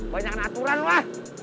banyak aturan lo